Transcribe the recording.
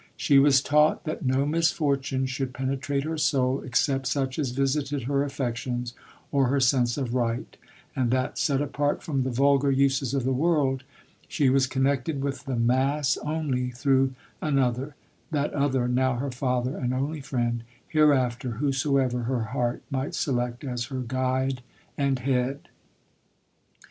She was taught that no misfortune should penetrate her soul, except such as visited her affections, or her sense of right ; and that, set apart from the vulgar uses of the world, she was connected with the mass only through an other — that other, now her father and only friend — hereafter, whosoever her heart might select as her guide and head.